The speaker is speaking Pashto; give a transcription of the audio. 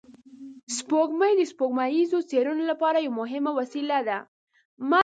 سپوږمۍ د سپوږمیزو څېړنو لپاره یوه مهمه وسیله ده